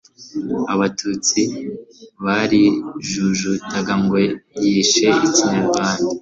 abatutsi barijujuta ngo yishe ikinyarwanda